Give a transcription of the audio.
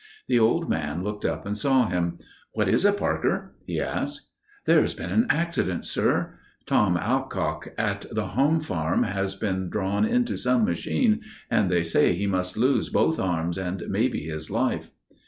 The old man looked up and saw him. "What is it, Parker?" he asked. "There's been an accident, sir. Tom Awcock at the home farm has been drawn into some machine, and they say he must lose both arms, and maybe his life."